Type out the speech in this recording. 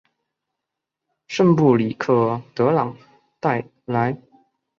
圣布里克德朗代莱。